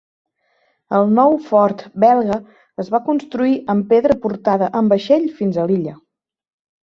El nou Fort Bèlgica es va construir amb pedra portada en vaixell fins a l'illa.